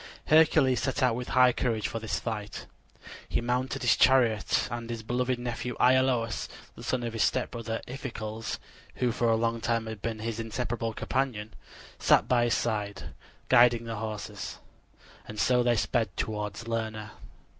Hercules set out with high courage for this fight. He mounted his chariot, and his beloved nephew Iolaus, the son of his stepbrother Iphicles, who for a long time had been his inseparable companion, sat by his side, guiding the horses; and so they sped toward Lerna.